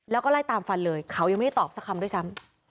แล้วก็ไล่ตามฟันเลยเขายังไม่ได้ตอบสักคำด้วยซ้ำ